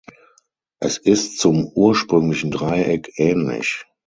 Es ist zum ursprünglichen Dreieck ähnlich.